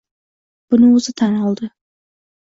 Buni o'zi tan oldi